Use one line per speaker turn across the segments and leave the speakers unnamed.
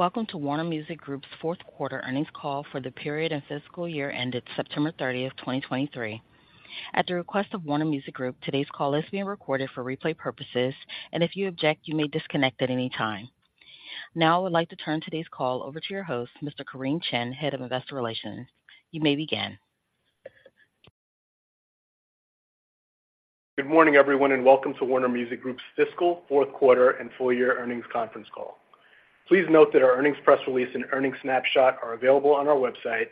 Welcome to Warner Music Group's fourth quarter earnings call for the period and fiscal year ended September 30, 2023. At the request of Warner Music Group, today's call is being recorded for replay purposes, and if you object, you may disconnect at any time. Now, I would like to turn today's call over to your host, Mr. Kareem Chin, Head of Investor Relations. You may begin.
Good morning, everyone, and welcome to Warner Music Group's fiscal fourth quarter and full year earnings conference call. Please note that our earnings press release and earnings snapshot are available on our website,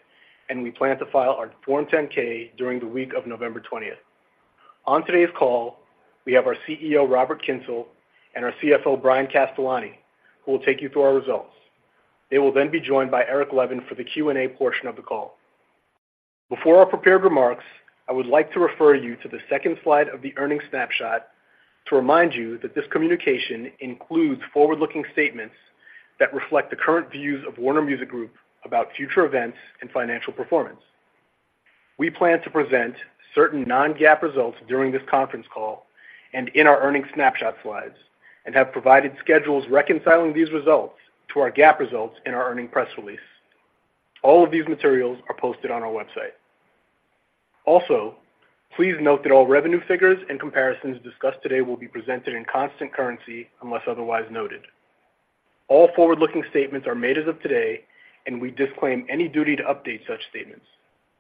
and we plan to file our Form 10-K during the week of November 20th. On today's call, we have our CEO, Robert Kyncl, and our CFO, Bryan Castellani, who will take you through our results. They will then be joined by Eric Levin for the Q&A portion of the call. Before our prepared remarks, I would like to refer you to the second slide of the earnings snapshot to remind you that this communication includes forward-looking statements that reflect the current views of Warner Music Group about future events and financial performance. We plan to present certain non-GAAP results during this conference call and in our earnings snapshot slides, and have provided schedules reconciling these results to our GAAP results in our earnings press release. All of these materials are posted on our website. Also, please note that all revenue figures and comparisons discussed today will be presented in constant currency, unless otherwise noted. All forward-looking statements are made as of today, and we disclaim any duty to update such statements.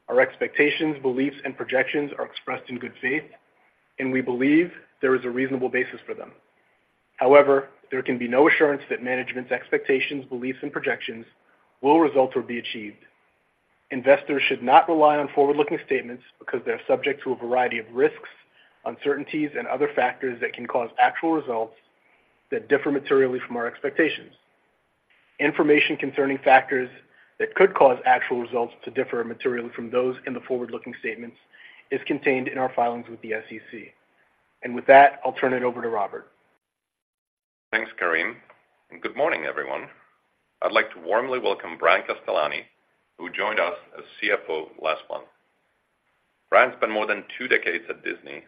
Our expectations, beliefs, and projections are expressed in good faith, and we believe there is a reasonable basis for them. However, there can be no assurance that management's expectations, beliefs, and projections will result or be achieved. Investors should not rely on forward-looking statements because they are subject to a variety of risks, uncertainties, and other factors that can cause actual results that differ materially from our expectations. Information concerning factors that could cause actual results to differ materially from those in the forward-looking statements is contained in our filings with the SEC. With that, I'll turn it over to Robert.
Thanks, Kareem, and good morning, everyone. I'd like to warmly welcome Bryan Castellani, who joined us as CFO last month. Bryan spent more than two decades at Disney,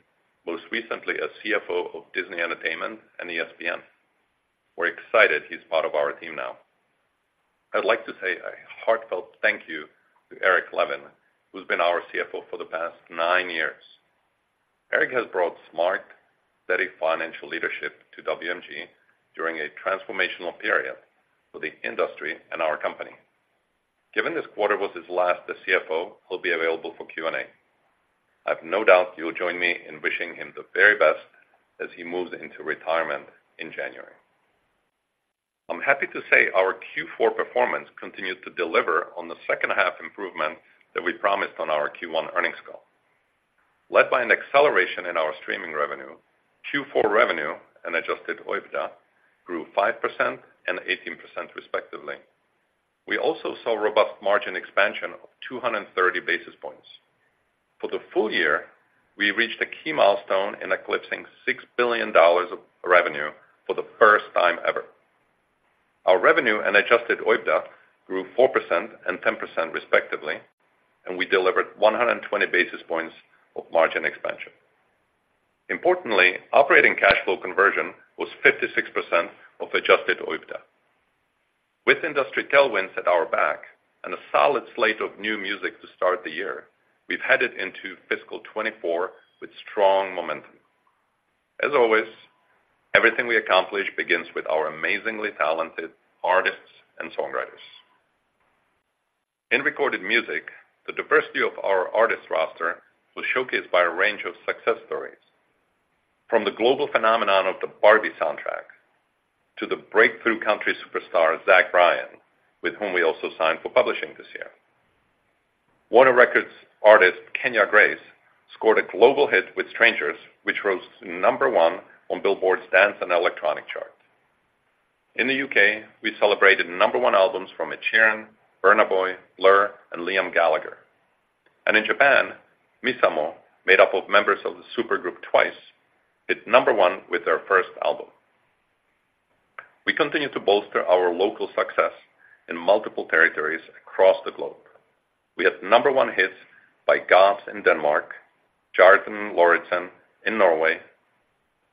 most recently as CFO of Disney Entertainment and ESPN. We're excited he's part of our team now. I'd like to say a heartfelt thank you to Eric Levin, who's been our CFO for the past nine years. Eric has brought smart, steady financial leadership to WMG during a transformational period for the industry and our company. Given this quarter was his last as CFO, he'll be available for Q&A. I have no doubt you'll join me in wishing him the very best as he moves into retirement in January. I'm happy to say our Q4 performance continued to deliver on the second-half improvement that we promised on our Q1 earnings call. Led by an acceleration in our streaming revenue, Q4 revenue and Adjusted OIBDA grew 5% and 18%, respectively. We also saw robust margin expansion of 230 basis points. For the full year, we reached a key milestone in eclipsing $6 billion of revenue for the first time ever. Our revenue and Adjusted OIBDA grew 4% and 10%, respectively, and we delivered 120 basis points of margin expansion. Importantly, operating cash flow conversion was 56% of Adjusted OIBDA. With industry tailwinds at our back and a solid slate of new music to start the year, we've headed into fiscal 2024 with strong momentum. As always, everything we accomplish begins with our amazingly talented artists and songwriters. In recorded music, the diversity of our artist roster was showcased by a range of success stories, from the global phenomenon of the Barbie soundtrack to the breakthrough country superstar, Zach Bryan, with whom we also signed for publishing this year. Warner Records artist Kenya Grace scored a global hit with Strangers, which rose to number one on Billboard's dance and electronic chart. In the UK, we celebrated number one albums from Ed Sheeran, Burna Boy, Blur, and Liam Gallagher. In Japan, MISAMO, made up of members of the supergroup TWICE, hit number one with their first album. We continue to bolster our local success in multiple territories across the globe. We had number one hits by Jobs in Denmark, Jørgen Lorentzen in Norway,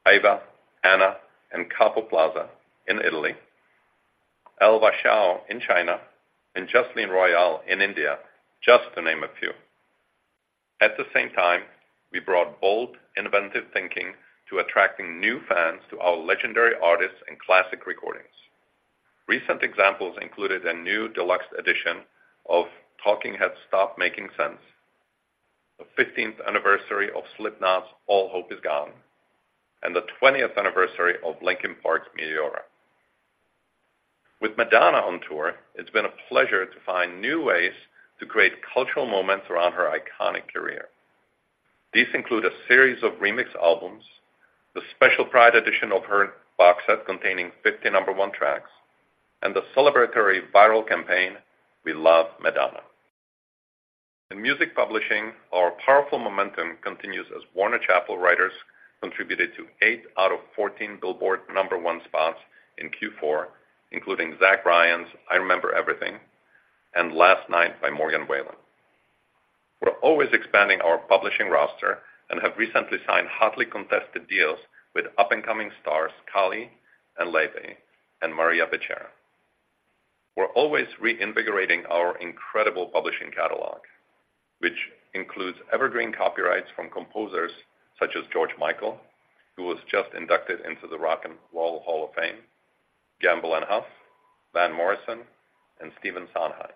Ava, Anna, and Capo Plaza in Italy, Elva Hsiao in China, and Jasleen Royal in India, just to name a few. At the same time, we brought bold, inventive thinking to attracting new fans to our legendary artists and classic recordings. Recent examples included a new deluxe edition of Talking Heads' Stop Making Sense, the fifteenth anniversary of Slipknot's All Hope is Gone, and the twentieth anniversary of Linkin Park's Meteora. With Madonna on tour, it's been a pleasure to find new ways to create cultural moments around her iconic career. These include a series of remix albums, the special Pride edition of her box set, containing 50 number one tracks, and the celebratory viral campaign, We Love Madonna. In music publishing, our powerful momentum continues as Warner Chappell writers contributed to 8 out of 14 Billboard number one spots in Q4, including Zach Bryan's I Remember Everything and Last Night by Morgan Wallen. We're always expanding our publishing roster and have recently signed hotly contested deals with up-and-coming stars Kali and Laufey, and Maria Becerra. We're always reinvigorating our incredible publishing catalog, which includes evergreen copyrights from composers such as George Michael, who was just inducted into the Rock and Roll Hall of Fame, Gamble and Huff, Van Morrison, and Stephen Sondheim.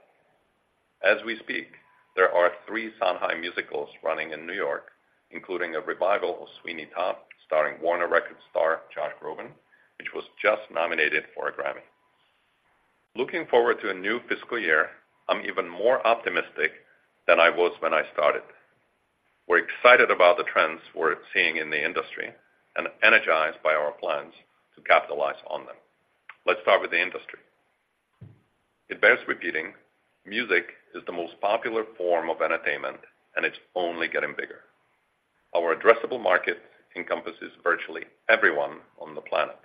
As we speak, there are three Sondheim musicals running in New York, including a revival of Sweeney Todd, starring Warner Records star, Josh Groban, which was just nominated for a Grammy. Looking forward to a new fiscal year, I'm even more optimistic than I was when I started. We're excited about the trends we're seeing in the industry and energized by our plans to capitalize on them. Let's start with the industry. It bears repeating, music is the most popular form of entertainment, and it's only getting bigger. Our addressable market encompasses virtually everyone on the planet.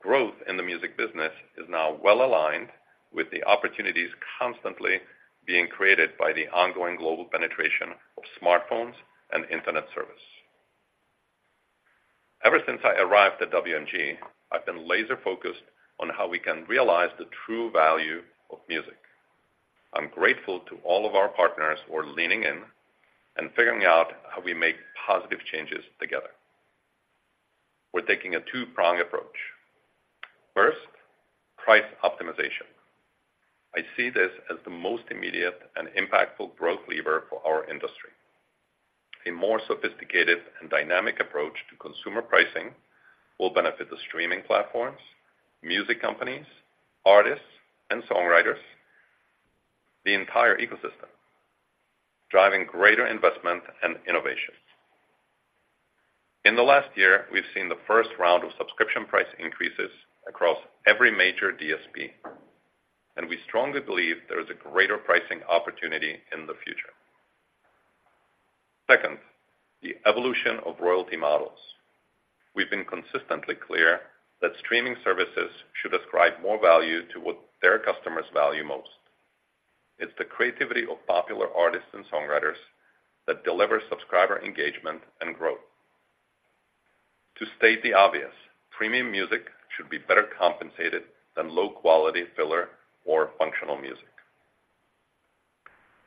Growth in the music business is now well aligned with the opportunities constantly being created by the ongoing global penetration of smartphones and internet service. Ever since I arrived at WMG, I've been laser-focused on how we can realize the true value of music. I'm grateful to all of our partners who are leaning in and figuring out how we make positive changes together. We're taking a two-prong approach. First, price optimization. I see this as the most immediate and impactful growth lever for our industry. A more sophisticated and dynamic approach to consumer pricing will benefit the streaming platforms, music companies, artists, and songwriters, the entire ecosystem, driving greater investment and innovation. In the last year, we've seen the first round of subscription price increases across every major DSP, and we strongly believe there is a greater pricing opportunity in the future. Second, the evolution of royalty models. We've been consistently clear that streaming services should ascribe more value to what their customers value most. It's the creativity of popular artists and songwriters that delivers subscriber engagement and growth. To state the obvious, premium music should be better compensated than low-quality filler or functional music.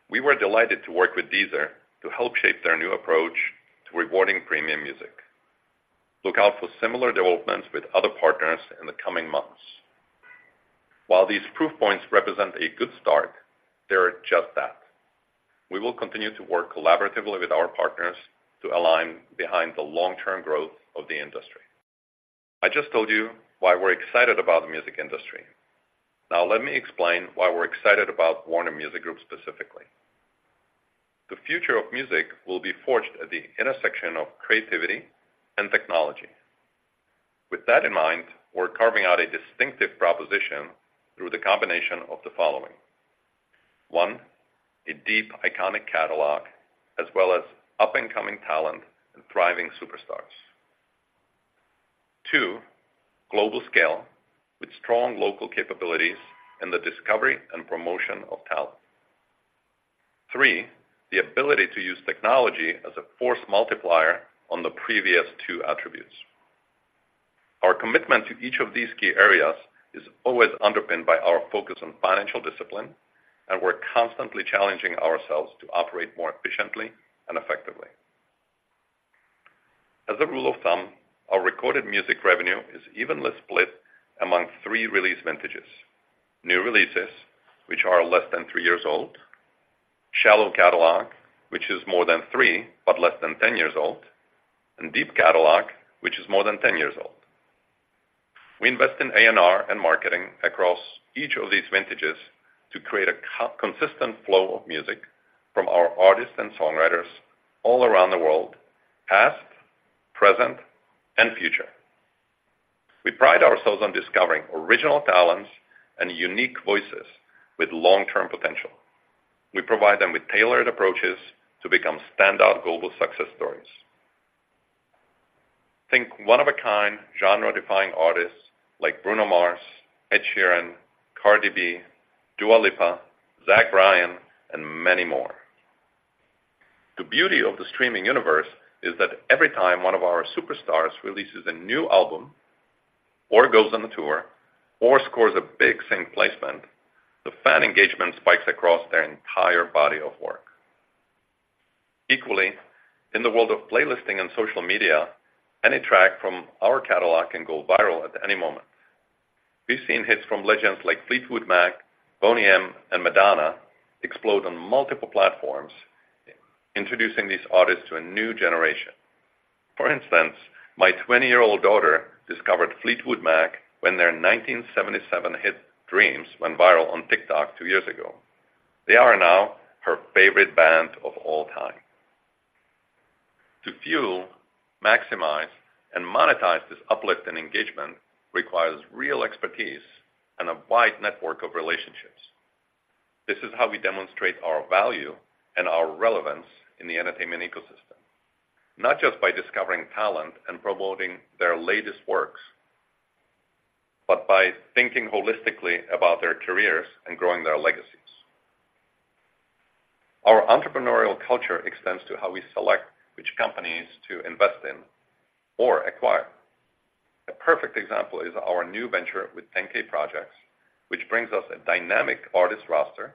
We were delighted to work with Deezer to help shape their new approach to rewarding premium music. Look out for similar developments with other partners in the coming months. While these proof points represent a good start, they are just that. We will continue to work collaboratively with our partners to align behind the long-term growth of the industry. I just told you why we're excited about the music industry. Now, let me explain why we're excited about Warner Music Group, specifically. The future of music will be forged at the intersection of creativity and technology. With that in mind, we're carving out a distinctive proposition through the combination of the following: One, a deep, iconic catalog, as well as up-and-coming talent and thriving superstars. Two, global scale with strong local capabilities in the discovery and promotion of talent. Three, the ability to use technology as a force multiplier on the previous two attributes. Our commitment to each of these key areas is always underpinned by our focus on financial discipline, and we're constantly challenging ourselves to operate more efficiently and effectively. As a rule of thumb, our recorded music revenue is evenly split among three release vintages: new releases, which are less than three years old, shallow catalog, which is more than three, but less than 10 years old, and deep catalog, which is more than 10 years old. We invest in A&R and marketing across each of these vintages to create a consistent flow of music from our artists and songwriters all around the world, past, present, and future. We pride ourselves on discovering original talents and unique voices with long-term potential. We provide them with tailored approaches to become standout global success stories. Think one-of-a-kind, genre-defying artists like Bruno Mars, Ed Sheeran, Cardi B, Dua Lipa, Zach Bryan, and many more. The beauty of the streaming universe is that every time one of our superstars releases a new album or goes on a tour or scores a big sync placement, the fan engagement spikes across their entire body of work. Equally, in the world of playlisting and social media, any track from our catalog can go viral at any moment. We've seen hits from legends like Fleetwood Mac, Boney M, and Madonna explode on multiple platforms, introducing these artists to a new generation. For instance, my 20-year-old daughter discovered Fleetwood Mac when their 1977 hit, Dreams, went viral on TikTok two years ago. They are now her favorite band of all time. To fuel, maximize, and monetize this uplift in engagement requires real expertise and a wide network of relationships. This is how we demonstrate our value and our relevance in the entertainment ecosystem, not just by discovering talent and promoting their latest works, but by thinking holistically about their careers and growing their legacies. Our entrepreneurial culture extends to how we select which companies to invest in or acquire. A perfect example is our new venture with 10K Projects, which brings us a dynamic artist roster,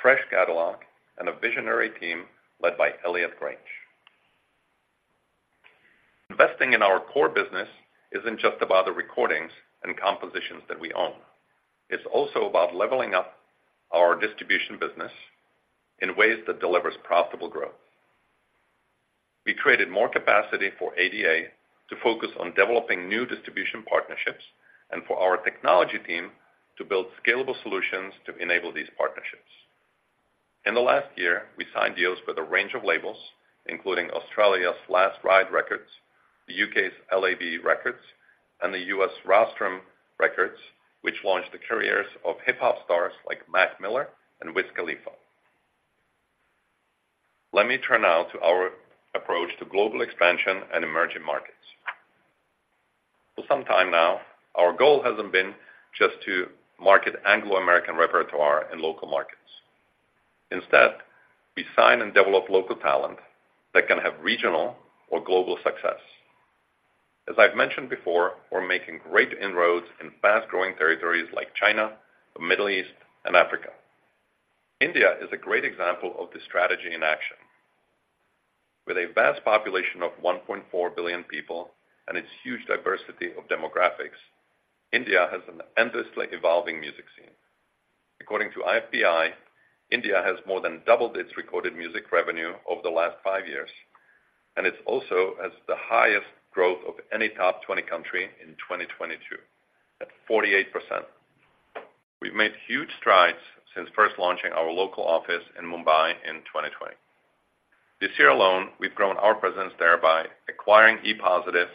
fresh catalog, and a visionary team led by Elliot Grainge. Investing in our core business isn't just about the recordings and compositions that we own. It's also about leveling up our distribution business in ways that delivers profitable growth. We created more capacity for ADA to focus on developing new distribution partnerships and for our technology team to build scalable solutions to enable these partnerships. In the last year, we signed deals with a range of labels, including Australia's Last Ride Records, the U.K.'s LAB Records, and the U.S. Rostrum Records, which launched the careers of hip-hop stars like Mac Miller and Wiz Khalifa. Let me turn now to our approach to global expansion and emerging markets. For some time now, our goal hasn't been just to market Anglo-American repertoire in local markets. Instead, we sign and develop local talent that can have regional or global success. As I've mentioned before, we're making great inroads in fast-growing territories like China, the Middle East, and Africa. India is a great example of this strategy in action. With a vast population of 1.4 billion people and its huge diversity of demographics, India has an endlessly evolving music scene. According to IFPI, India has more than doubled its recorded music revenue over the last five years, and it also has the highest growth of any top 20 country in 2022, at 48%. We've made huge strides since first launching our local office in Mumbai in 2020. This year alone, we've grown our presence there by acquiring E-Positive,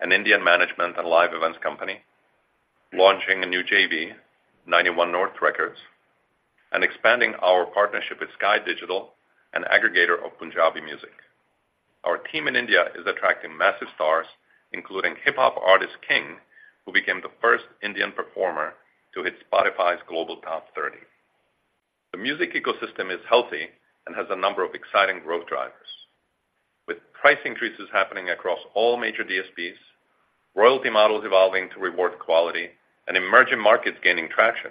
an Indian management and live events company, launching a new JV, 91 North Records, and expanding our partnership with Sky Digital, an aggregator of Punjabi music. Our team in India is attracting massive stars, including hip-hop artist King, who became the first Indian performer to hit Spotify's Global Top Thirty. The music ecosystem is healthy and has a number of exciting growth drivers. With price increases happening across all major DSPs, royalty models evolving to reward quality, and emerging markets gaining traction,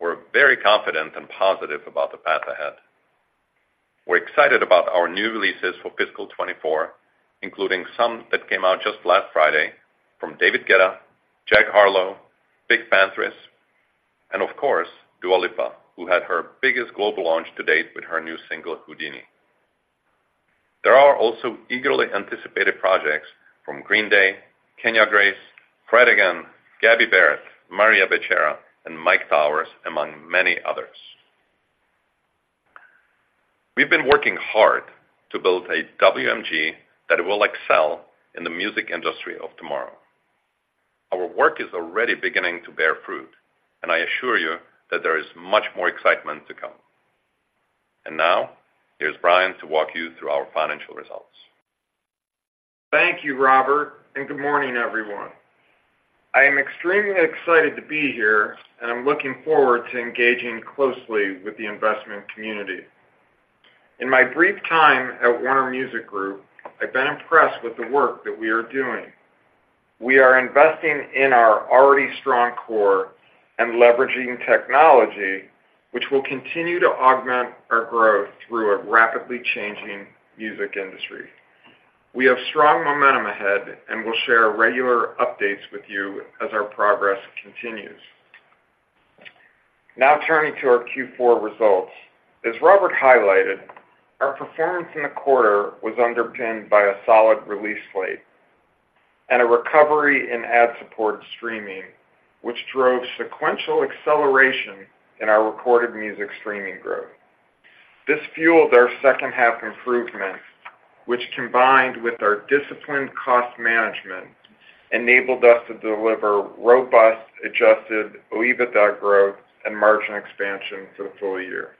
we're very confident and positive about the path ahead. We're excited about our new releases for fiscal 2024, including some that came out just last Friday from David Guetta, Jack Harlow, PinkPantheress, and of course, Dua Lipa, who had her biggest global launch to date with her new single, Houdini. There are also eagerly anticipated projects from Green Day, Kenya Grace, Fred again.. Gabby Barrett, Maria Becerra, and Myke Towers, among many others. We've been working hard to build a WMG that will excel in the music industry of tomorrow. Our work is already beginning to bear fruit, and I assure you that there is much more excitement to come. And now, here's Bryan to walk you through our financial results.
Thank you, Robert, and good morning, everyone. I am extremely excited to be here, and I'm looking forward to engaging closely with the investment community. In my brief time at Warner Music Group, I've been impressed with the work that we are doing. We are investing in our already strong core and leveraging technology, which will continue to augment our growth through a rapidly changing music industry. We have strong momentum ahead, and we'll share regular updates with you as our progress continues. Now, turning to our Q4 results. As Robert highlighted, our performance in the quarter was underpinned by a solid release slate and a recovery in ad-supported streaming, which drove sequential acceleration in our recorded music streaming growth. This fueled our second-half improvement, which, combined with our disciplined cost management, enabled us to deliver robust, Adjusted OIBDA growth and margin expansion for the full year.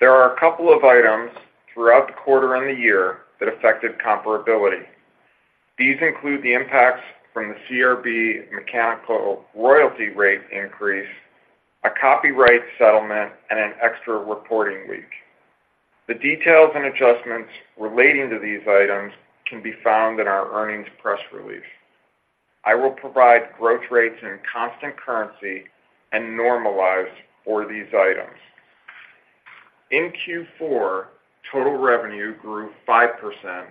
There are a couple of items throughout the quarter and the year that affected comparability. These include the impacts from the CRB mechanical royalty rate increase, a copyright settlement, and an extra reporting week. The details and adjustments relating to these items can be found in our earnings press release. I will provide growth rates in constant currency and normalized for these items. In Q4, total revenue grew 5%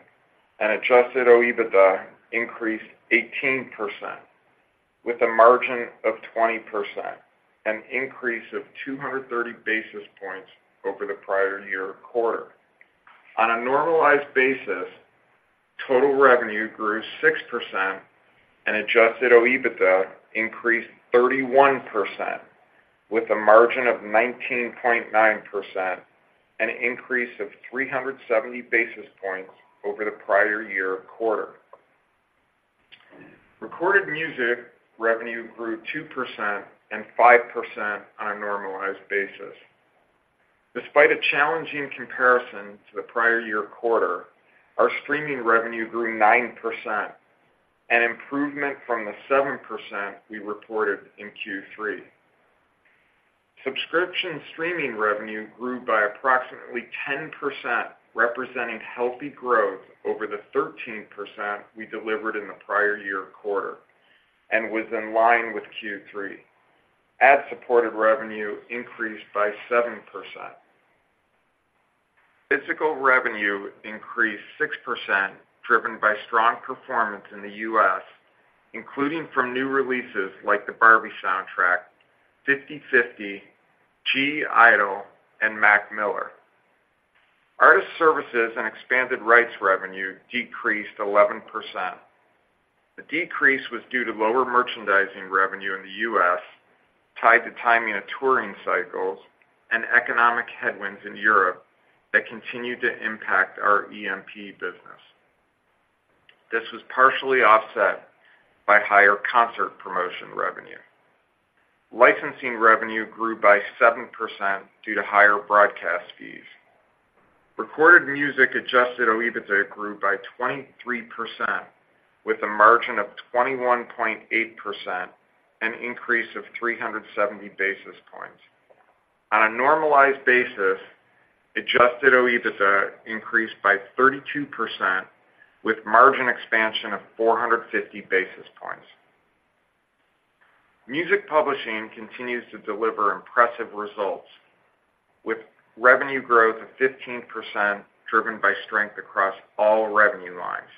and Adjusted OIBDA increased 18%, with a margin of 20%, an increase of 230 basis points over the prior year quarter. On a normalized basis, total revenue grew 6% and Adjusted OIBDA increased 31%, with a margin of 19.9%, an increase of 370 basis points over the prior year quarter. Recorded music revenue grew 2% and 5% on a normalized basis. Despite a challenging comparison to the prior year quarter, our streaming revenue grew 9%, an improvement from the 7% we reported in Q3. Subscription streaming revenue grew by approximately 10%, representing healthy growth over the 13% we delivered in the prior year quarter and was in line with Q3. Ad-supported revenue increased by 7%. Physical revenue increased 6%, driven by strong performance in the U.S., including from new releases like the Barbie soundtrack, FIFTY FIFTY, (G)I-DLE, and Mac Miller. Artist services and expanded rights revenue decreased 11%. The decrease was due to lower merchandising revenue in the U.S., tied to timing of touring cycles and economic headwinds in Europe that continued to impact our EMP business. This was partially offset by higher concert promotion revenue. Licensing revenue grew by 7% due to higher broadcast fees. Recorded Music Adjusted OIBDA grew by 23%, with a margin of 21.8%, an increase of 370 basis points. On a normalized basis, Adjusted OIBDA increased by 32%, with margin expansion of 450 basis points. Music Publishing continues to deliver impressive results, with revenue growth of 15%, driven by strength across all revenue lines.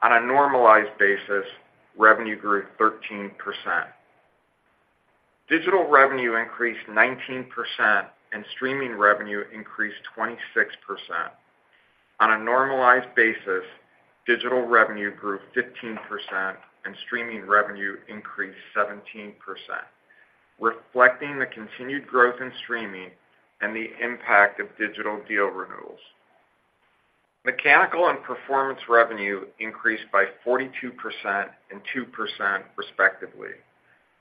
On a normalized basis, revenue grew 13%. Digital revenue increased 19%, and streaming revenue increased 26%. On a normalized basis, digital revenue grew 15% and streaming revenue increased 17%, reflecting the continued growth in streaming and the impact of digital deal renewals. Mechanical and performance revenue increased by 42% and 2%, respectively,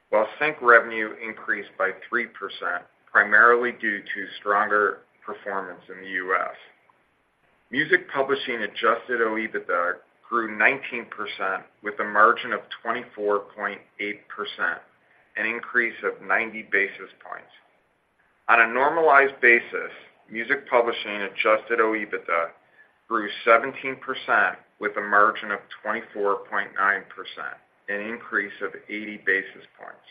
while sync revenue increased by 3%, primarily due to stronger performance in the U.S. Music publishing Adjusted OIBDA grew 19% with a margin of 24.8%, an increase of 90 basis points. On a normalized basis, music publishing Adjusted OIBDA grew 17% with a margin of 24.9%, an increase of 80 basis points.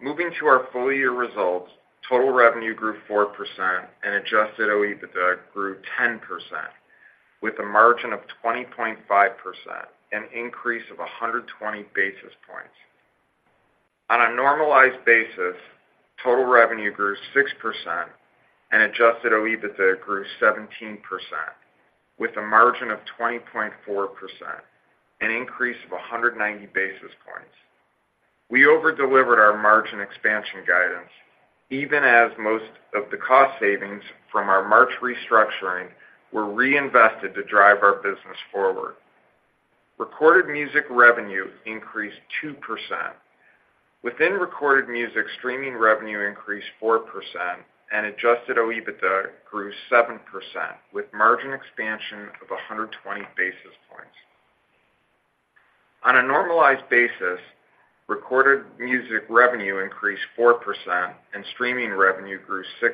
Moving to our full-year results, total revenue grew 4% and Adjusted OIBDA grew 10%, with a margin of 20.5%, an increase of 120 basis points. On a normalized basis, total revenue grew 6% and Adjusted OIBDA grew 17%, with a margin of 20.4%, an increase of 190 basis points. We over-delivered our margin expansion guidance, even as most of the cost savings from our March restructuring were reinvested to drive our business forward. Recorded music revenue increased 2%. Within recorded music, streaming revenue increased 4% and Adjusted OIBDA grew 7%, with margin expansion of 120 basis points. On a normalized basis, recorded music revenue increased 4% and streaming revenue grew 6%,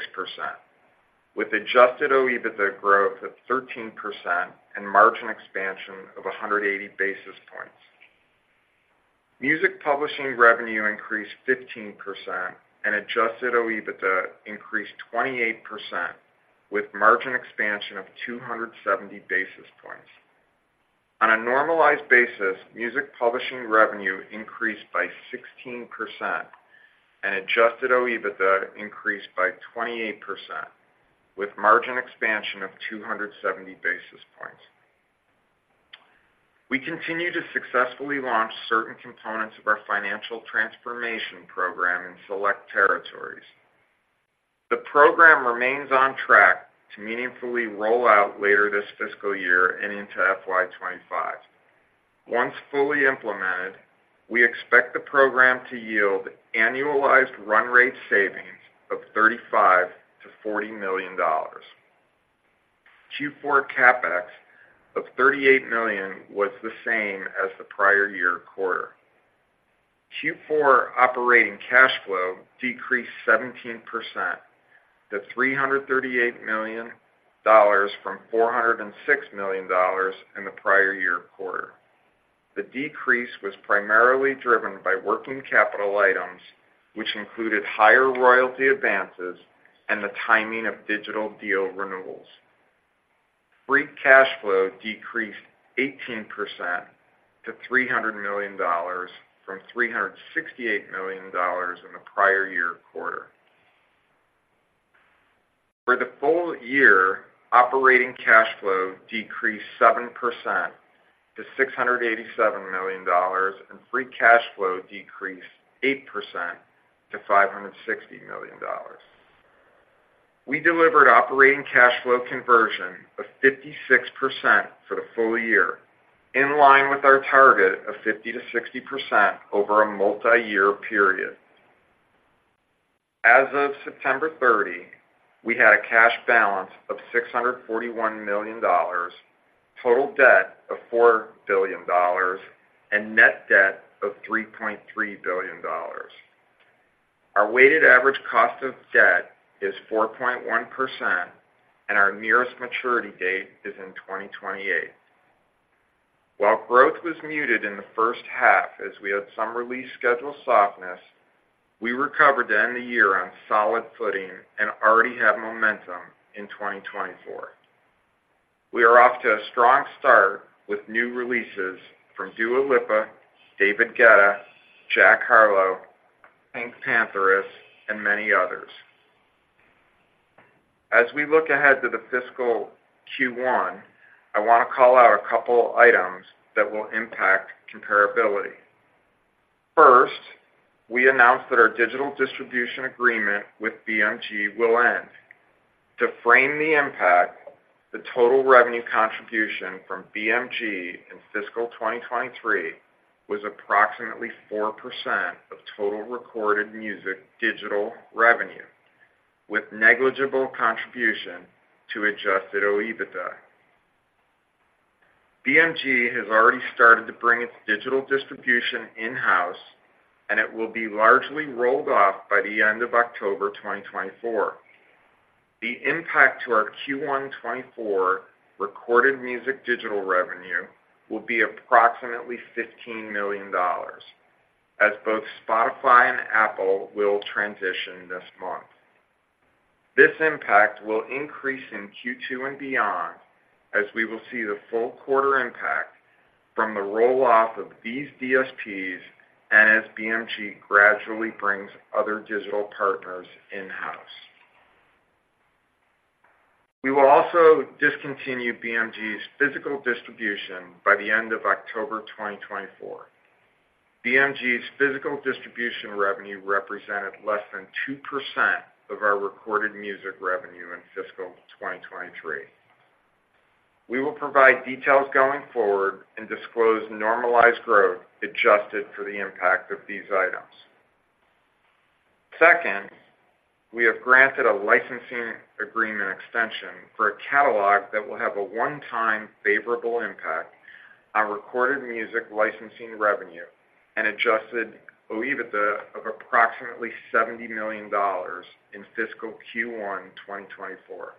with Adjusted OIBDA growth of 13% and margin expansion of 180 basis points. Music publishing revenue increased 15% and Adjusted OIBDA increased 28%, with margin expansion of 270 basis points. On a normalized basis, music publishing revenue increased by 16% and Adjusted OIBDA increased by 28%, with margin expansion of 270 basis points. We continue to successfully launch certain components of our financial transformation program in select territories. The program remains on track to meaningfully roll out later this fiscal year and into FY 2025. Once fully implemented, we expect the program to yield annualized run rate savings of $35 million-$40 million. Q4 CapEx of $38 million was the same as the prior year quarter. Q4 operating cash flow decreased 17% to $338 million from $406 million in the prior year quarter. The decrease was primarily driven by working capital items, which included higher royalty advances and the timing of digital deal renewals. Free cash flow decreased 18% to $300 million from $368 million in the prior year quarter. For the full year, operating cash flow decreased 7% to $687 million, and free cash flow decreased 8% to $560 million. We delivered operating cash flow conversion of 56% for the full year, in line with our target of 50%-60% over a multiyear period. As of September 30, we had a cash balance of $641 million, total debt of $4 billion, and net debt of $3.3 billion. Our weighted average cost of debt is 4.1%, and our nearest maturity date is in 2028. While growth was muted in the first half as we had some release schedule softness, we recovered to end the year on solid footing and already have momentum in 2024. We are off to a strong start with new releases from Dua Lipa, David Guetta, Jack Harlow, PinkPantheress, and many others. As we look ahead to the fiscal Q1, I want to call out a couple items that will impact comparability. First, we announced that our digital distribution agreement with BMG will end. To frame the impact, the total revenue contribution from BMG in fiscal 2023 was approximately 4% of total recorded music digital revenue, with negligible contribution to Adjusted OIBDA. BMG has already started to bring its digital distribution in-house, and it will be largely rolled off by the end of October 2024. The impact to our Q1 2024 recorded music digital revenue will be approximately $15 million, as both Spotify and Apple will transition this month. This impact will increase in Q2 and beyond, as we will see the full quarter impact from the roll-off of these DSPs and as BMG gradually brings other digital partners in-house. We will also discontinue BMG's physical distribution by the end of October 2024. BMG's physical distribution revenue represented less than 2% of our Recorded Music revenue in fiscal 2023. We will provide details going forward and disclose normalized growth adjusted for the impact of these items. Second, we have granted a licensing agreement extension for a catalog that will have a one-time favorable impact on Recorded Music licensing revenue and Adjusted OIBDA of approximately $70 million in fiscal Q1 2024.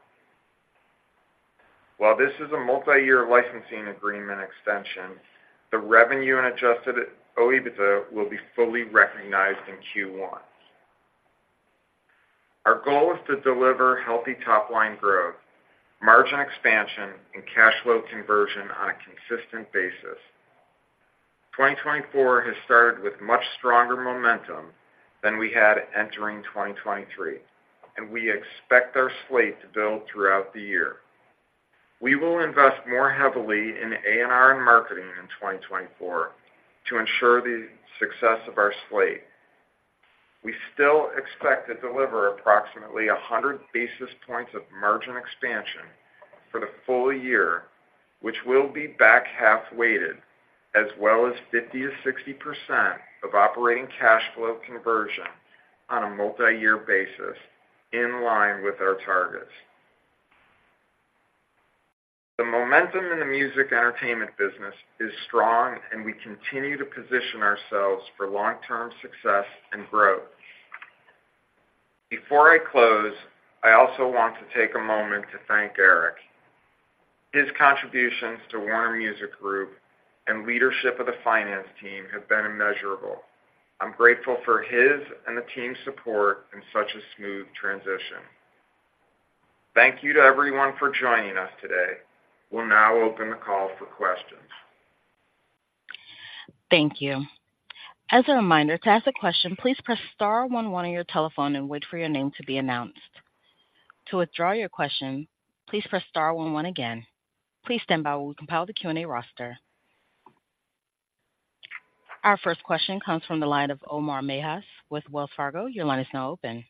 While this is a multi-year licensing agreement extension, the revenue and Adjusted OIBDA will be fully recognized in Q1. Our goal is to deliver healthy top-line growth, margin expansion, and cash flow conversion on a consistent basis. 2024 has started with much stronger momentum than we had entering 2023, and we expect our slate to build throughout the year. We will invest more heavily in A&R and marketing in 2024 to ensure the success of our slate. We still expect to deliver approximately 100 basis points of margin expansion for the full year, which will be back-half weighted, as well as 50%-60% of operating cash flow conversion on a multiyear basis, in line with our targets. The momentum in the music entertainment business is strong, and we continue to position ourselves for long-term success and growth. Before I close, I also want to take a moment to thank Eric. His contributions to Warner Music Group and leadership of the finance team have been immeasurable. I'm grateful for his and the team's support in such a smooth transition. Thank you to everyone for joining us today. We'll now open the call for questions.
Thank you. As a reminder, to ask a question, please press star one one on your telephone and wait for your name to be announced. To withdraw your question, please press star one one again. Please stand by while we compile the Q&A roster. Our first question comes from the line of Omar Mejias with Wells Fargo. Your line is now open.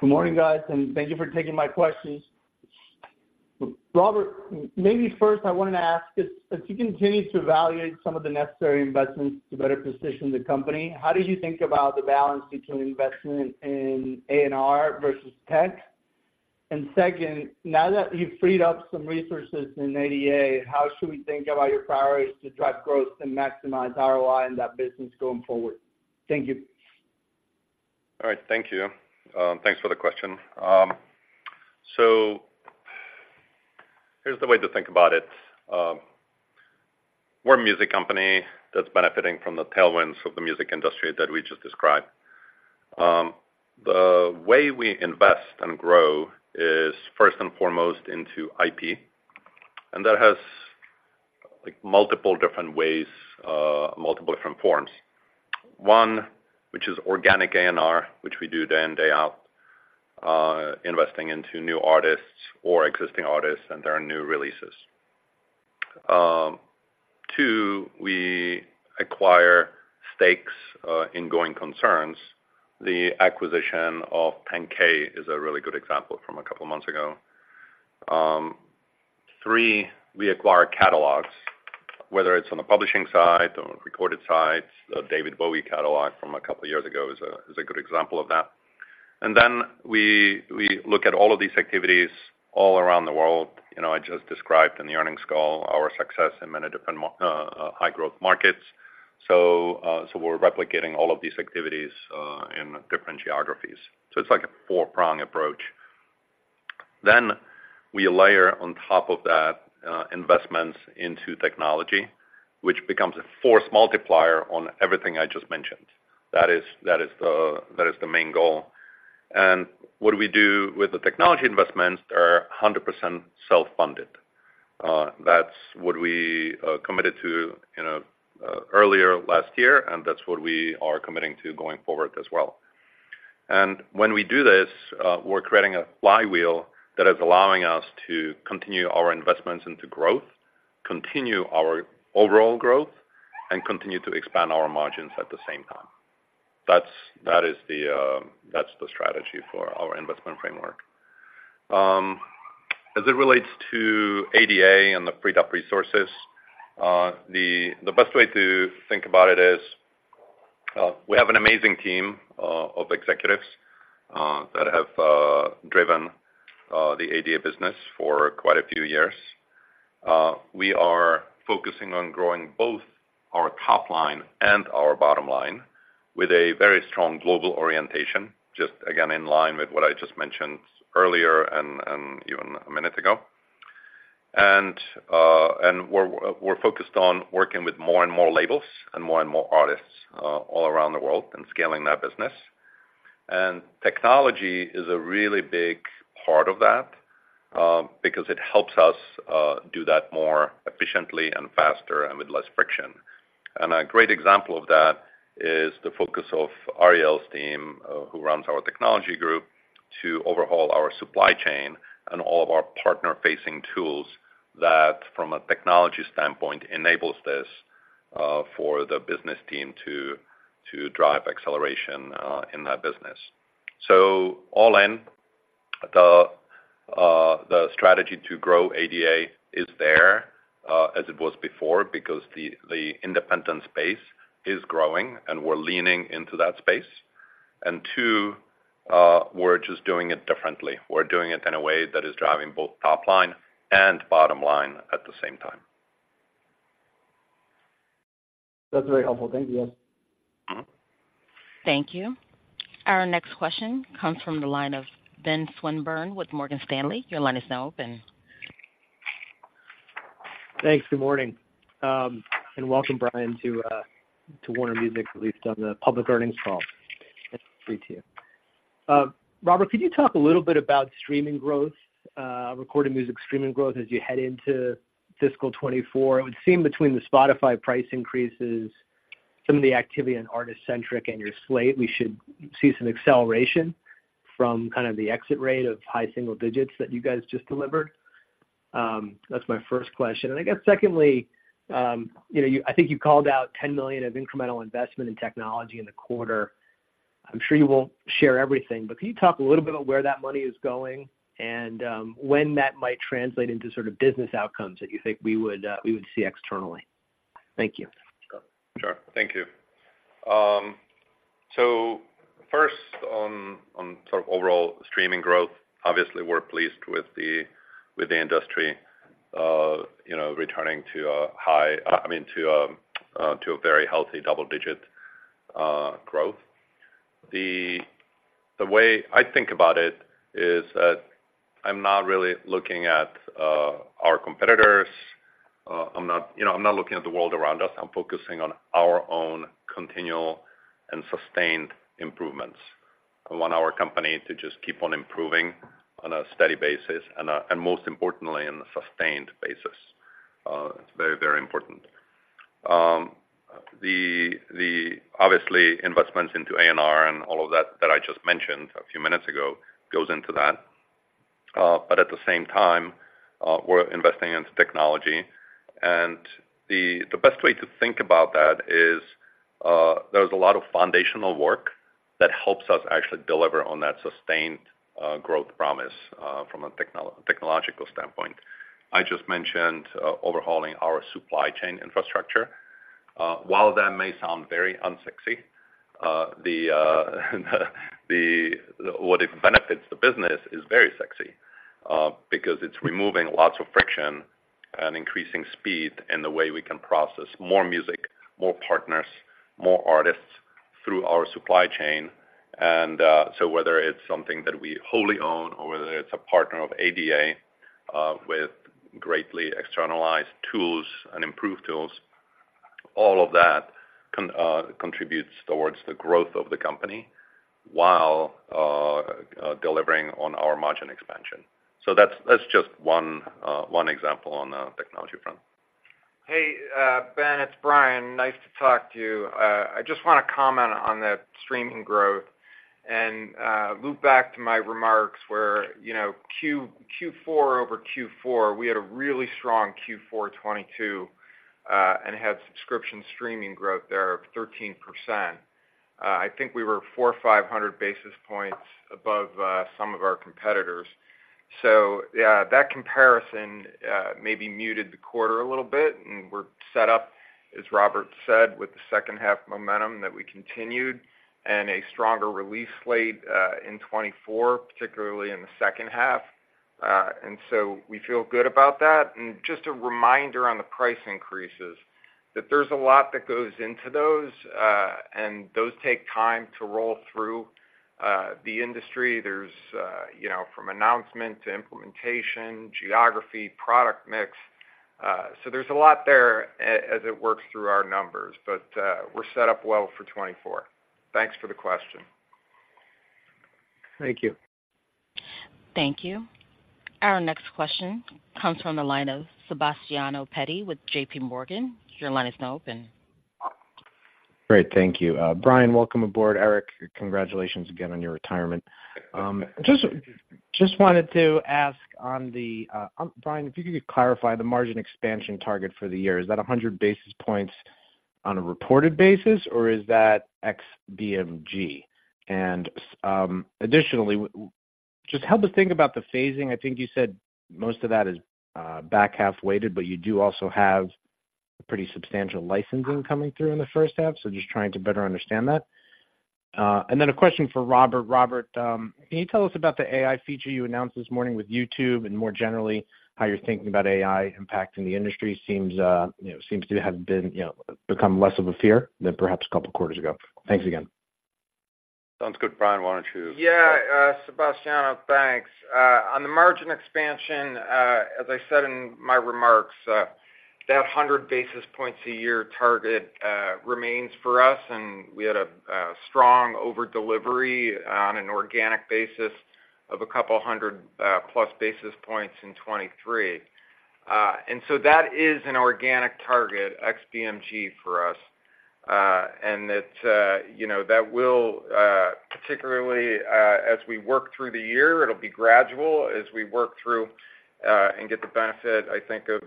Good morning, guys, and thank you for taking my questions. Robert, maybe first I wanted to ask, as you continue to evaluate some of the necessary investments to better position the company, how do you think about the balance between investment in A&R versus tech? And second, now that you've freed up some resources in ADA, how should we think about your priorities to drive growth and maximize ROI in that business going forward? Thank you.
All right. Thank you. Thanks for the question. So here's the way to think about it. We're a music company that's benefiting from the tailwinds of the music industry that we just described. The way we invest and grow is first and foremost into IP, and that has, like, multiple different ways, multiple different forms. One, which is organic A&R, which we do day in, day out, investing into new artists or existing artists, and there are new releases. Two, we acquire stakes in going concerns. The acquisition of 10K is a really good example from a couple of months ago. Three, we acquire catalogs, whether it's on the publishing side, the recorded sides, the David Bowie catalog from a couple of years ago is a good example of that. And then we look at all of these activities all around the world. You know, I just described in the earnings call our success in many different markets. So we're replicating all of these activities in different geographies. So it's like a four-prong approach. Then we layer on top of that investments into technology, which becomes a force multiplier on everything I just mentioned. That is the main goal. And what we do with the technology investments are 100% self-funded. That's what we committed to, you know, earlier last year, and that's what we are committing to going forward as well. When we do this, we're creating a flywheel that is allowing us to continue our investments into growth, continue our overall growth, and continue to expand our margins at the same time. That is the strategy for our investment framework. As it relates to ADA and the freed-up resources, the best way to think about it is, we have an amazing team of executives that have driven the ADA business for quite a few years. We are focusing on growing both our top line and our bottom line with a very strong global orientation, just again, in line with what I just mentioned earlier and even a minute ago. And we're focused on working with more and more labels and more and more artists all around the world and scaling that business. And technology is a really big part of that, because it helps us do that more efficiently and faster and with less friction. And a great example of that is the focus of Ariel's team, who runs our technology group, to overhaul our supply chain and all of our partner-facing tools that, from a technology standpoint, enables this for the business team to drive acceleration in that business. So all in, the strategy to grow ADA is there, as it was before, because the independent space is growing, and we're leaning into that space. And too, we're just doing it differently. We're doing it in a way that is driving both top line and bottom line at the same time.
That's very helpful. Thank you.
Thank you. Our next question comes from the line of Ben Swinburne with Morgan Stanley. Your line is now open.
Thanks. Good morning. And welcome, Bryan, to Warner Music, at least on the public earnings call. Great to you. Robert, could you talk a little bit about streaming growth, recorded music streaming growth, as you head into fiscal 2024? It would seem between the Spotify price increases, some of the activity in artist-centric and your slate, we should see some acceleration from kind of the exit rate of high single digits that you guys just delivered. That's my first question. And I guess secondly, you know, you I think you called out $10 million of incremental investment in technology in the quarter. I'm sure you won't share everything, but can you talk a little bit about where that money is going and, when that might translate into sort of business outcomes that you think we would, we would see externally? Thank you.
Sure. Thank you. So first on sort of overall streaming growth, obviously, we're pleased with the industry, you know, returning to a high, I mean, to a very healthy double-digit growth. The way I think about it is that I'm not really looking at our competitors, I'm not, you know, I'm not looking at the world around us. I'm focusing on our own continual and sustained improvements. I want our company to just keep on improving on a steady basis and, and most importantly, in a sustained basis. It's very, very important. Obviously, investments into A&R and all of that, that I just mentioned a few minutes ago, goes into that. But at the same time, we're investing into technology, and the best way to think about that is, there's a lot of foundational work that helps us actually deliver on that sustained growth promise from a technological standpoint. I just mentioned overhauling our supply chain infrastructure. While that may sound very unsexy, what it benefits the business is very sexy, because it's removing lots of friction and increasing speed in the way we can process more music, more partners, more artists through our supply chain. And so whether it's something that we wholly own or whether it's a partner of ADA with greatly externalized tools and improved tools, all of that contributes towards the growth of the company while delivering on our margin expansion. So that's just one example on the technology front.
Hey, Ben, it's Bryan. Nice to talk to you. I just wanna comment on the streaming growth and loop back to my remarks where, you know, Q4 over Q4, we had a really strong Q4 2022, and had subscription streaming growth there of 13%. I think we were 400 or 500 basis points above some of our competitors. So yeah, that comparison maybe muted the quarter a little bit, and we're set up, as Robert said, with the second half momentum that we continued and a stronger release slate in 2024, particularly in the second half. And so we feel good about that. And just a reminder on the price increases, that there's a lot that goes into those, and those take time to roll through the industry. There's, you know, from announcement to implementation, geography, product mix. So there's a lot there as it works through our numbers, but, we're set up well for 2024. Thanks for the question.
Thank you.
Thank you. Our next question comes from the line of Sebastiano Petti with JP Morgan. Your line is now open.
Great, thank you. Bryan, welcome aboard. Eric, congratulations again on your retirement. Just wanted to ask on the, Bryan, if you could clarify the margin expansion target for the year, is that 100 basis points on a reported basis, or is that ex BMG? And, additionally, just help us think about the phasing. I think you said most of that is back-half weighted, but you do also have a pretty substantial licensing coming through in the first half. So just trying to better understand that. And then a question for Robert. Robert, can you tell us about the AI feature you announced this morning with YouTube, and more generally, how you're thinking about AI impacting the industry? Seems, you know, seems to have been, you know, become less of a fear than perhaps a couple of quarters ago. Thanks again.
Sounds good. Bryan, why don't you?
Yeah, Sebastiano, thanks. On the margin expansion, as I said in my remarks, that 100 basis points a year target remains for us, and we had a strong overdelivery on an organic basis of a couple of hundred plus basis points in 2023. And so that is an organic target, ex BMG for us. And it's, you know, that will, particularly, as we work through the year, it'll be gradual as we work through, and get the benefit, I think of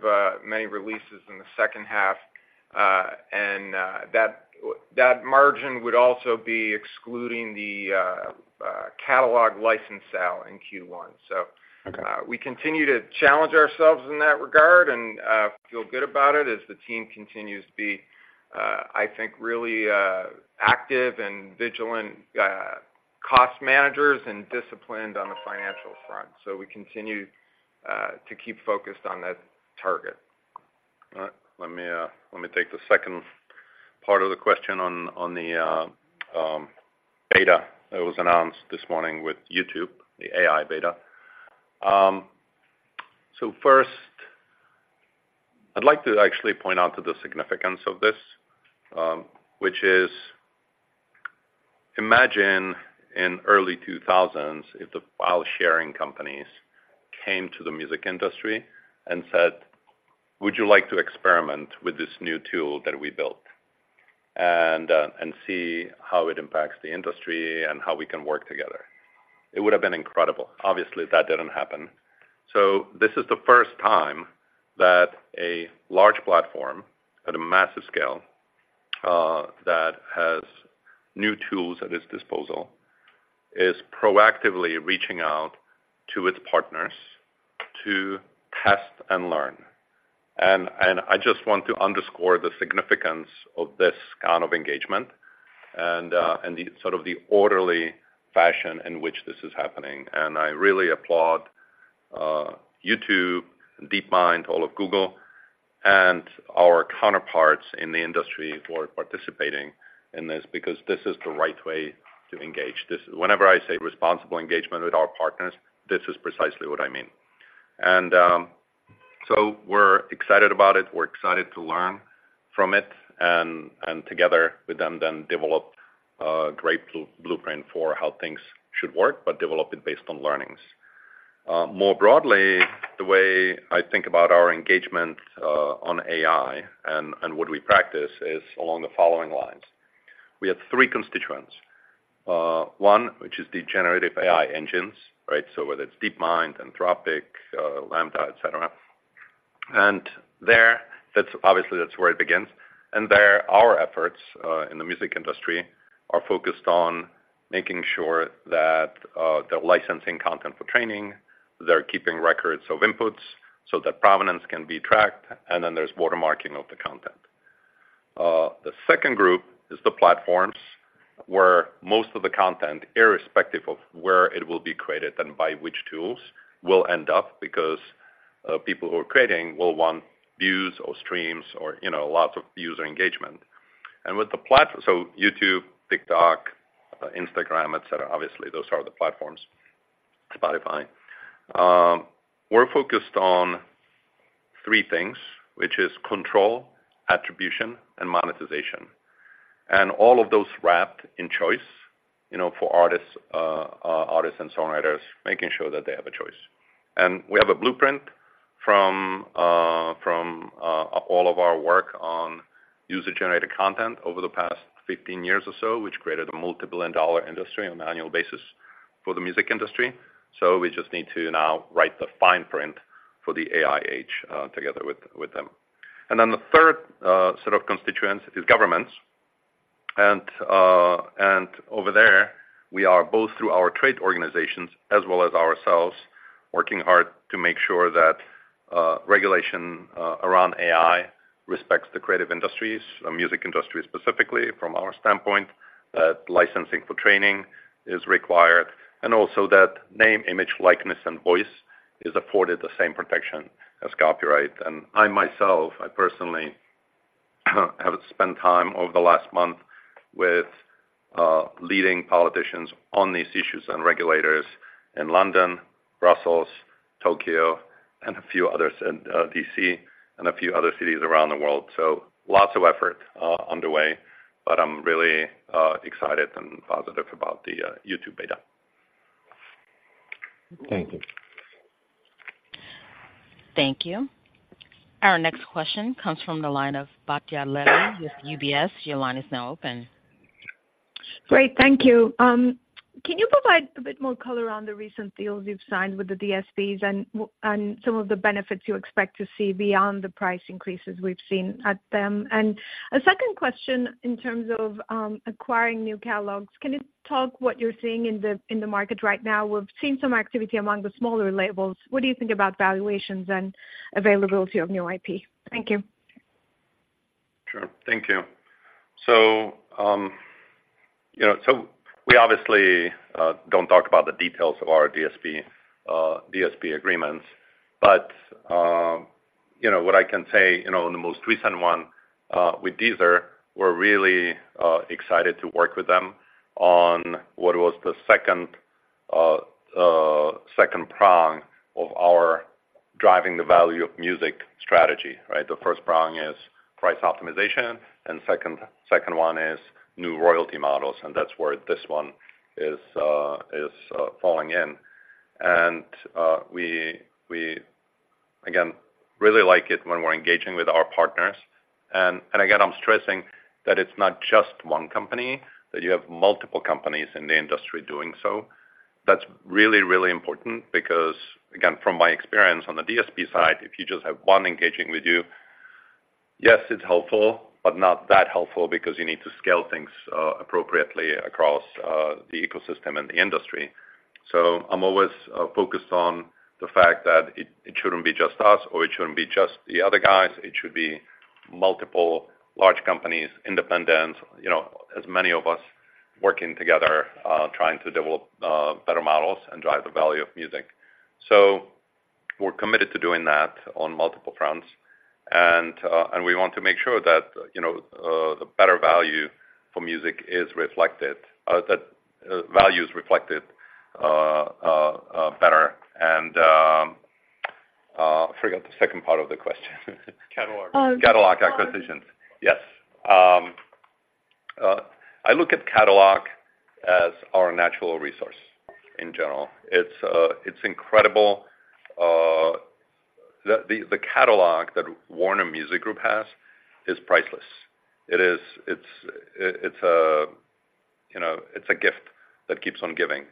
many releases in the second half. And that margin would also be excluding the catalog license sale in Q1.
Okay.
So we continue to challenge ourselves in that regard and feel good about it as the team continues to be, I think, really active and vigilant cost managers and disciplined on the financial front. So we continue to keep focused on that target.
All right. Let me, let me take the second part of the question on, on the, beta that was announced this morning with YouTube, the AI beta. So first, I'd like to actually point out to the significance of this, which is: imagine in early 2000s, if the file-sharing companies came to the music industry and said, "Would you like to experiment with this new tool that we built and, and see how it impacts the industry and how we can work together?" It would have been incredible. Obviously, that didn't happen. So this is the first time that a large platform at a massive scale, that has new tools at its disposal, is proactively reaching out to its partners to test and learn. I just want to underscore the significance of this kind of engagement and the sort of the orderly fashion in which this is happening. I really applaud YouTube, DeepMind, all of Google, and our counterparts in the industry who are participating in this, because this is the right way to engage. This. Whenever I say responsible engagement with our partners, this is precisely what I mean. So we're excited about it. We're excited to learn from it and together with them, then develop a great blueprint for how things should work, but develop it based on learnings. More broadly, the way I think about our engagement on AI and what we practice is along the following lines: We have three constituents. One, which is the generative AI engines, right? So whether it's DeepMind, Anthropic, LaMDA, et cetera. That's obviously where it begins. Our efforts in the music industry are focused on making sure that they're licensing content for training, they're keeping records of inputs so that provenance can be tracked, and then there's watermarking of the content. The second group is the platforms, where most of the content, irrespective of where it will be created and by which tools, will end up because people who are creating will want views or streams or, you know, lots of user engagement. So YouTube, TikTok, Instagram, et cetera, obviously, those are the platforms, Spotify. We're focused on three things, which is control, attribution, and monetization. All of those wrapped in choice, you know, for artists, artists and songwriters, making sure that they have a choice. We have a blueprint from all of our work on user-generated content over the past 15 years or so, which created a multi-billion-dollar industry on an annual basis for the music industry. So we just need to now write the fine print for the AI age, together with them. And then the third set of constituents is governments. And over there, we are both through our trade organizations as well as ourselves, working hard to make sure that regulation around AI respects the creative industries, the music industry, specifically from our standpoint, that licensing for training is required, and also that name, image, likeness, and voice is afforded the same protection as copyright. I myself, I personally, have spent time over the last month with leading politicians on these issues and regulators in London, Brussels, Tokyo, and a few others, and D.C., and a few other cities around the world. Lots of effort underway, but I'm really excited and positive about the YouTube beta.
Thank you.
Thank you. Our next question comes from the line of Batya Levi with UBS. Your line is now open.
Great, thank you. Can you provide a bit more color on the recent deals you've signed with the DSPs and some of the benefits you expect to see beyond the price increases we've seen at them? And a second question in terms of acquiring new catalogs, can you talk what you're seeing in the, in the market right now? We've seen some activity among the smaller labels. What do you think about valuations and availability of new IP? Thank you.
Sure. Thank you. So, you know, so we obviously don't talk about the details of our DSP, DSP agreements. But, you know, what I can say, you know, in the most recent one, with Deezer, we're really excited to work with them on what was the second, second prong of our driving the value of music strategy, right? The first prong is price optimization, and second, second one is new royalty models, and that's where this one is, is falling in. And, we, we again, really like it when we're engaging with our partners. And, and again, I'm stressing that it's not just one company, that you have multiple companies in the industry doing so. That's really, really important because, again, from my experience on the DSP side, if you just have one engaging with you, yes, it's helpful, but not that helpful because you need to scale things appropriately across the ecosystem and the industry. So I'm always focused on the fact that it, it shouldn't be just us, or it shouldn't be just the other guys. It should be multiple large companies, independents, you know, as many of us working together trying to develop better models and drive the value of music. So we're committed to doing that on multiple fronts. And, and we want to make sure that, you know, the better value for music is reflected, that value is reflected better. And, I forgot the second part of the question.
Catalog.
Uh, catalog.
Catalog acquisitions. Yes. I look at catalog as our natural resource in general. It's, it's incredible. The catalog that Warner Music Group has is priceless. It is. It's, it's a, you know, it's a gift that keeps on giving.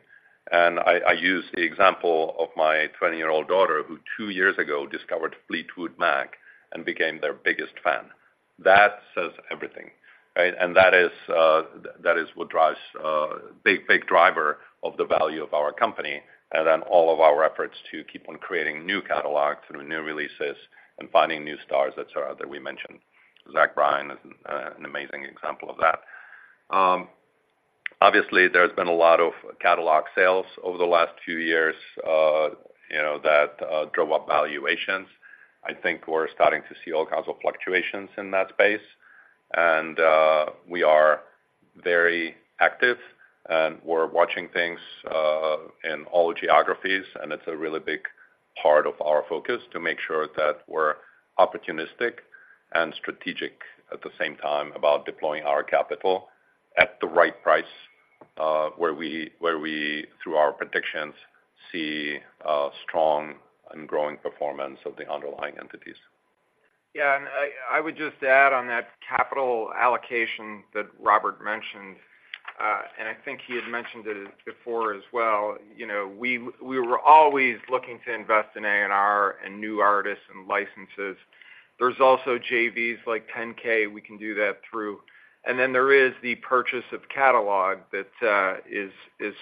And I use the example of my 20-year-old daughter, who two years ago discovered Fleetwood Mac and became their biggest fan. That says everything, right? And that is what drives, big driver of the value of our company, and then all of our efforts to keep on creating new catalogs through new releases and finding new stars, et cetera, that we mentioned. Zach Bryan is an amazing example of that. Obviously, there's been a lot of catalog sales over the last few years, you know, that drove up valuations. I think we're starting to see all kinds of fluctuations in that space, and we are very active, and we're watching things in all geographies, and it's a really big part of our focus to make sure that we're opportunistic and strategic at the same time, about deploying our capital at the right price, where we through our predictions, see a strong and growing performance of the underlying entities.
Yeah, and I would just add on that capital allocation that Robert mentioned, and I think he had mentioned it before as well, you know, we were always looking to invest in A&R and new artists and licenses. There's also JVs like 10K, we can do that through. And then there is the purchase of catalog that is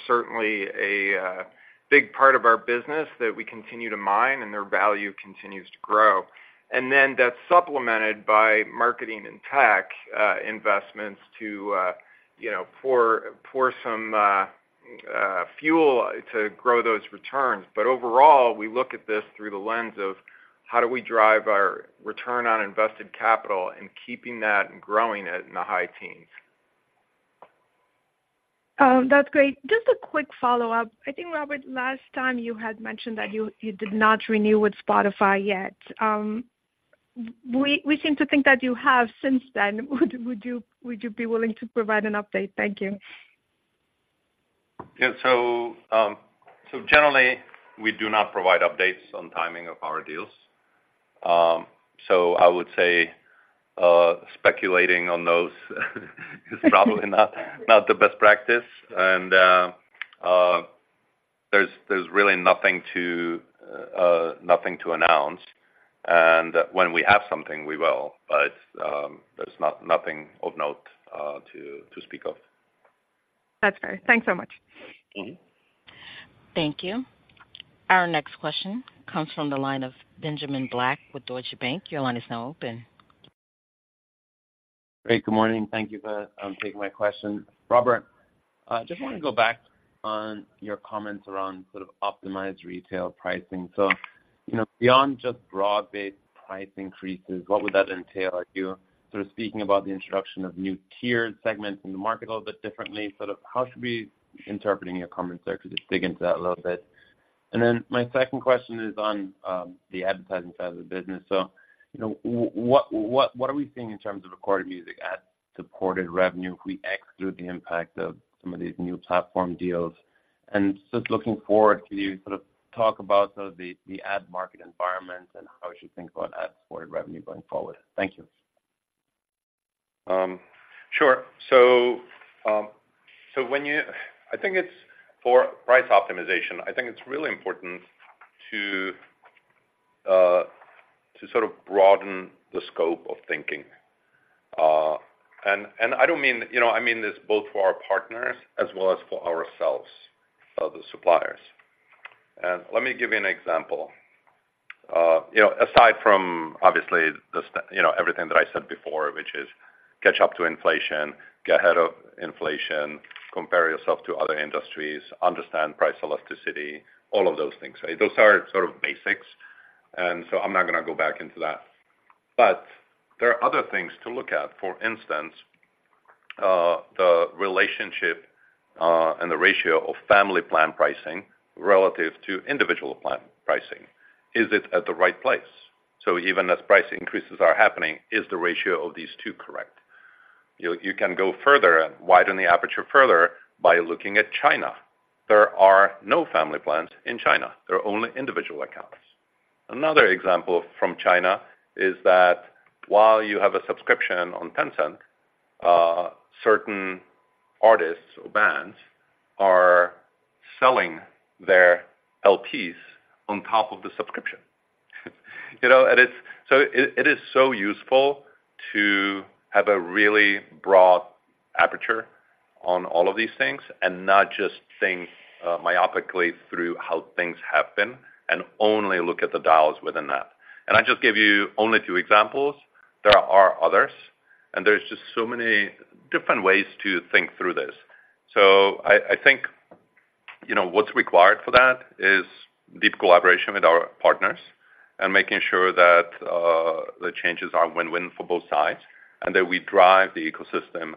certainly a big part of our business that we continue to mine, and their value continues to grow. And then that's supplemented by marketing and tech investments to, you know, pour some fuel to grow those returns. But overall, we look at this through the lens of how do we drive our return on invested capital and keeping that and growing it in the high teens?
That's great. Just a quick follow-up. I think, Robert, last time you had mentioned that you did not renew with Spotify yet. We seem to think that you have since then. Would you be willing to provide an update? Thank you.
Yeah, so generally, we do not provide updates on timing of our deals. So I would say, speculating on those is probably not the best practice, and there's really nothing to announce. And when we have something, we will. But there's nothing of note to speak of.
That's fair. Thanks so much.
Mm-hmm.
Thank you. Our next question comes from the line of Benjamin Black with Deutsche Bank. Your line is now open.
Great, good morning. Thank you for taking my question. Robert, just want to go back on your comments around sort of optimized retail pricing. So, you know, beyond just broad-based price increases, what would that entail? Are you sort of speaking about the introduction of new tiered segments in the market a little bit differently? Sort of, how should we be interpreting your comments there? Could you dig into that a little bit? And then my second question is on the advertising side of the business. So, you know, what are we seeing in terms of recorded music ad-supported revenue if we exclude the impact of some of these new platform deals? And just looking forward, can you sort of talk about sort of the ad market environment and how we should think about ad-supported revenue going forward? Thank you.
Sure. So, so when you, I think it's for price optimization, I think it's really important to sort of broaden the scope of thinking. And, and I don't mean, you know, I mean this both for our partners as well as for ourselves, the suppliers. And let me give you an example. You know, aside from obviously, you know, everything that I said before, which is catch up to inflation, get ahead of inflation, compare yourself to other industries, understand price elasticity, all of those things, right? Those are sort of basics, and so I'm not gonna go back into that. But there are other things to look at. For instance, the relationship and the ratio of family plan pricing relative to individual plan pricing. Is it at the right place? So even as price increases are happening, is the ratio of these two correct? You can go further and widen the aperture further by looking at China. There are no family plans in China. There are only individual accounts. Another example from China is that while you have a subscription on Tencent, certain artists or bands are selling their LPs on top of the subscription. You know, and it's so useful to have a really broad aperture on all of these things and not just think myopically through how things happen, and only look at the dials within that. And I just gave you only two examples, there are others, and there's just so many different ways to think through this. So I think, you know, what's required for that is deep collaboration with our partners and making sure that the changes are win-win for both sides, and that we drive the ecosystem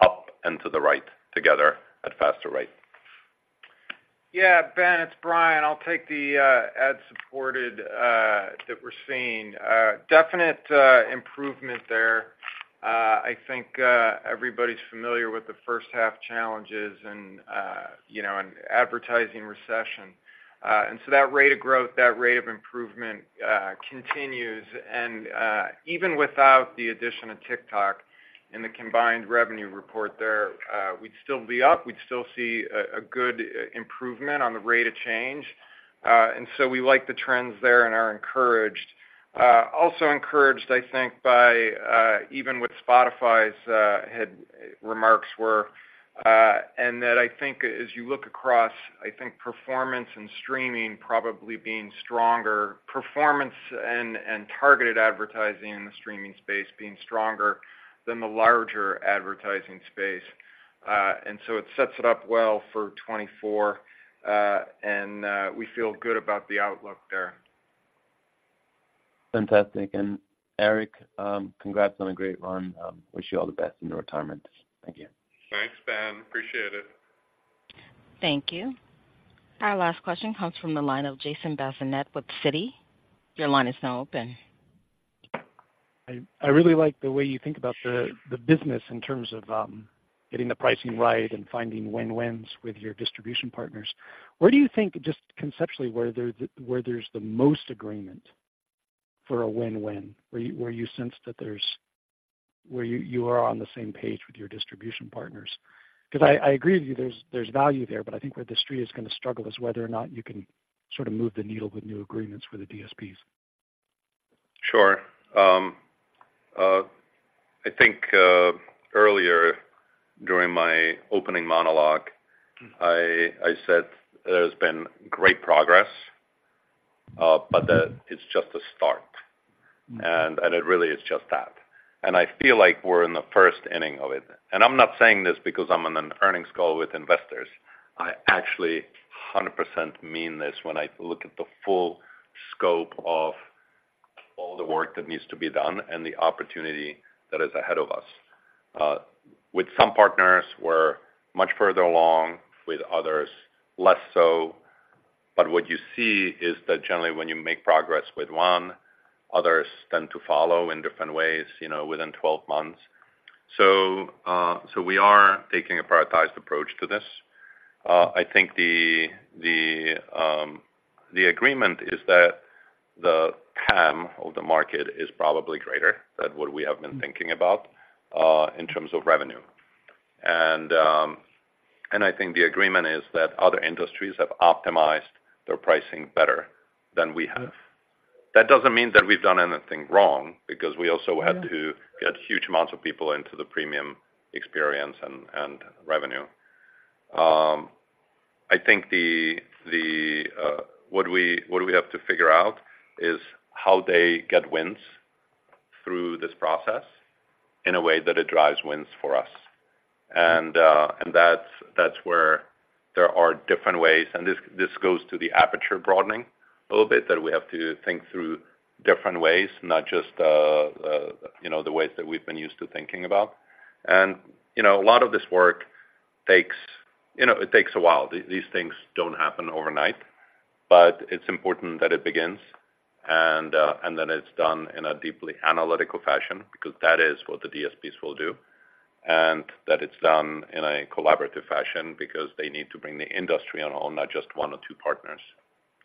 up and to the right together at faster rate.
Yeah, Ben, it's Bryan. I'll take the ad-supported that we're seeing. Definite improvement there. I think everybody's familiar with the first half challenges and, you know, and advertising recession. And so that rate of growth, that rate of improvement continues. And even without the addition of TikTok in the combined revenue report there, we'd still be up, we'd still see a good improvement on the rate of change. And so we like the trends there and are encouraged. Also encouraged, I think, by even with Spotify's ad remarks were, and that I think as you look across, I think performance and streaming probably being stronger. Performance and targeted advertising in the streaming space being stronger than the larger advertising space. And so it sets it up well for 2024, and we feel good about the outlook there.
Fantastic. And Eric, congrats on a great run. Wish you all the best in your retirement. Thank you.
Thanks, Ben. Appreciate it.
Thank you. Our last question comes from the line of Jason Bazinet with Citi. Your line is now open.
I really like the way you think about the business in terms of getting the pricing right and finding win-wins with your distribution partners. Where do you think, just conceptually, where there's the most agreement for a win-win? Where you sense that there's. Where you are on the same page with your distribution partners? Because I agree with you, there's value there, but I think where the Street is gonna struggle is whether or not you can sort of move the needle with new agreements with the DSPs.
Sure. I think earlier during my opening monologue-
Mm-hmm.
I said there's been great progress, but that it's just a start.
Mm.
It really is just that. I feel like we're in the first inning of it. I'm not saying this because I'm on an earnings call with investors. I actually 100% mean this when I look at the full scope of all the work that needs to be done and the opportunity that is ahead of us. With some partners, we're much further along, with others, less so. But what you see is that generally, when you make progress with one, others tend to follow in different ways, you know, within 12 months. So we are taking a prioritized approach to this. I think the agreement is that the TAM of the market is probably greater than what we have been thinking about in terms of revenue. I think the agreement is that other industries have optimized their pricing better than we have. That doesn't mean that we've done anything wrong, because we also had to get huge amounts of people into the premium experience and revenue. I think what we have to figure out is how they get wins through this process in a way that it drives wins for us. And that's where there are different ways. And this goes to the aperture broadening a little bit, that we have to think through different ways, not just you know, the ways that we've been used to thinking about. And, you know, a lot of this work takes. You know, it takes a while. These things don't happen overnight, but it's important that it begins and, and that it's done in a deeply analytical fashion, because that is what the DSPs will do, and that it's done in a collaborative fashion because they need to bring the industry on, not just one or two partners.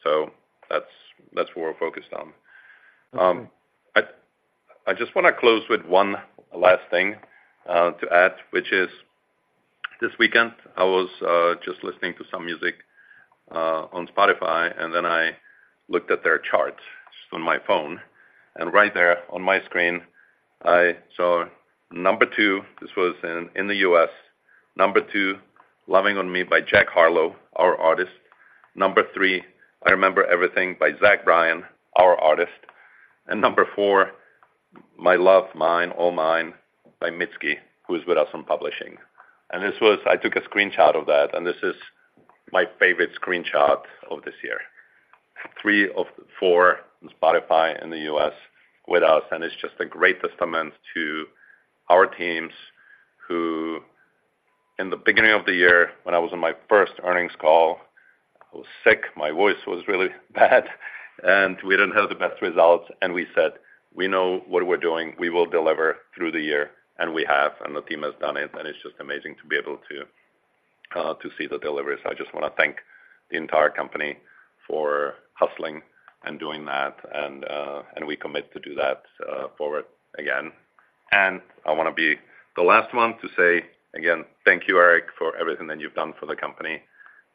So that's, that's what we're focused on. I, I just want to close with one last thing, to add, which is, this weekend, I was just listening to some music on Spotify, and then I looked at their charts just on my phone, and right there on my screen, I saw number two, this was in the U.S., number two, Lovin On Me by Jack Harlow, our artist. Number 3, I Remember Everything by Zach Bryan, our artist, and number 4, My Love Mine All Mine, by Mitski, who is with us on publishing. And this was, I took a screenshot of that, and this is my favorite screenshot of this year. Three of four on Spotify in the U.S. with us, and it's just a great testament to our teams, who, in the beginning of the year, when I was on my first earnings call, I was sick, my voice was really bad, and we didn't have the best results, and we said, "We know what we're doing. We will deliver through the year." And we have, and the team has done it, and it's just amazing to be able to, to see the deliveries. I just want to thank the entire company for hustling and doing that, and, and we commit to do that, forward again. And I want to be the last one to say again, thank you, Eric, for everything that you've done for the company.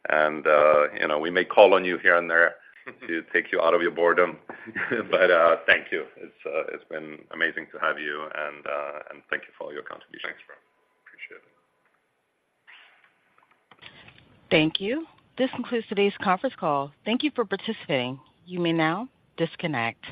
And, you know, we may call on you here and there to take you out of your boredom, but, thank you. It's, it's been amazing to have you, and, and thank you for all your contributions.
Thanks, Rob. Appreciate it.
Thank you. This concludes today's conference call. Thank you for participating. You may now disconnect.